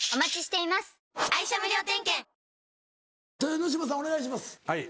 豊ノ島さんお願いします。